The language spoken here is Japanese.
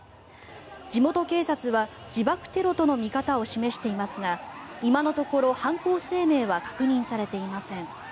地元警察は、自爆テロとの見方を示していますが今のところ犯行声明は確認されていません。